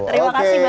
terima kasih banyak